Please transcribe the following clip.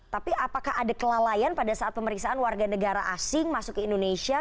tapi apakah ada kelalaian pada saat pemeriksaan warga negara asing masuk ke indonesia